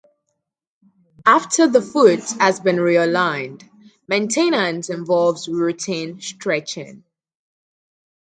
After the foot has been realigned, maintenance involves routine stretching.